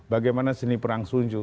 bagaimana seni perang sunju